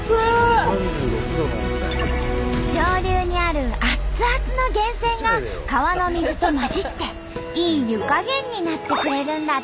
上流にある熱々の源泉が川の水と混じっていい湯加減になってくれるんだって。